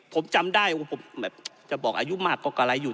ผมจำได้จะบอกอายุมากก็กะไรอยู่